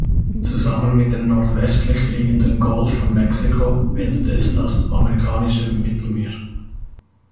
Zusammen mit dem nordwestlich liegenden Golf von Mexiko bildet es das Amerikanische Mittelmeer.